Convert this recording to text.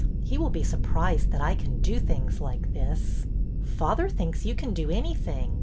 He will be surprised that I can do things like this." Father thinks you can do anything.